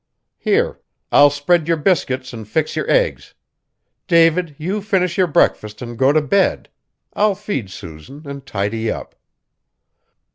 Here, I'll spread your biscuits and fix your eggs. David, you finish your breakfast and go to bed. I'll feed Susan, and tidy up."